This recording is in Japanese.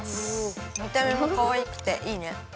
みためもかわいくていいね。